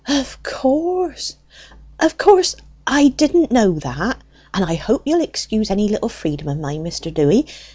"Of course, of course! I didn't know that, and I hope ye'll excuse any little freedom of mine, Mr. Dewy.